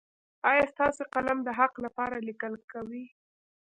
ایا ستاسو قلم د حق لپاره لیکل کوي؟